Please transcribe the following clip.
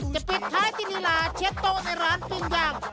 ปิดท้ายที่ลีลาเช็ดโต๊ะในร้านปิ้งย่าง